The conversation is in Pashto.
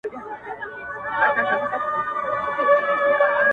د شعر ښايست خو ټولـ فريادي كي پاتــه سـوى،